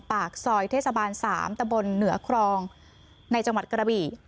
ปากซอยเทศบาล๓ตะบนเหนือครองในจังหวัดกระบี่